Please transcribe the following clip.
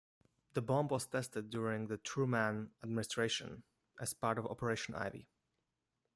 The bomb was tested during the Truman administration as part of Operation Ivy.